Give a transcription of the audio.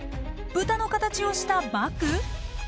豚の形をしたバッグ？